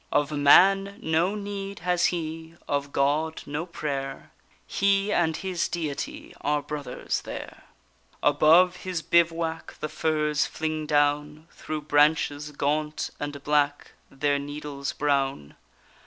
Of man no need has he, of God, no prayer; He and his Deity are brothers there. Above his bivouac the firs fling down Through branches gaunt and black, their needles brown.